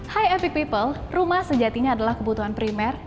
hai epic people rumah sejatinya adalah kebutuhan primer